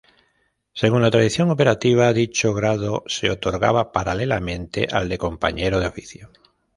Según la tradición operativa, dicho grado se otorgaba paralelamente al de Compañero de oficio.